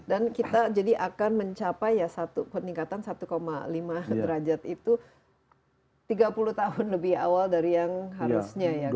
dan kita jadi akan mencapai ya satu peningkatan satu lima derajat itu tiga puluh tahun lebih awal dari yang harusnya ya